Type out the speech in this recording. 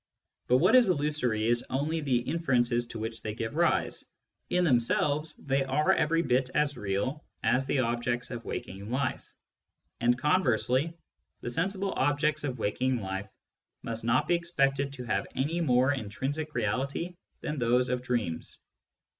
But what is illusory is only the inferences to which they give rise ; Digitized by Google 86 SCIENTIFIC METHOD IN PHILOSOPHY in themselves, they are every bit as real as the objects of waking life. And conversely, the sensible objects of waking life must not be expected to have any more intrinsic reality than those of dreams.